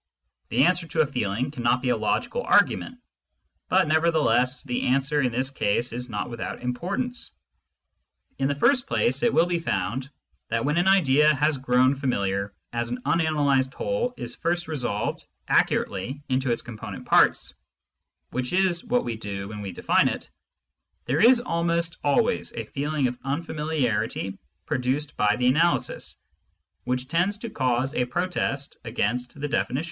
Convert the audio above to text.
The answer to a feeling cannot be a logical argument, but nevertheless the answer in this case is not without importance. In the first place, it will be found that when an idea which has grown familiar as an unanalysed whole is first resolved accurately into its component parts — which is what we do when we define it — there is almost always a feeling of unfamiliarity produced by the analysis, which tends to cause a protest against the definition.